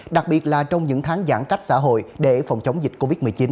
đặc biệt là trong những tháng giãn cách xã hội để phòng chống dịch covid một mươi chín